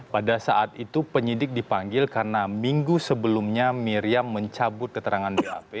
pada saat itu penyidik dipanggil karena minggu sebelumnya miriam mencabut keterangan bap